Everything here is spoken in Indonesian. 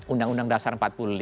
undang undang dasar empat puluh lima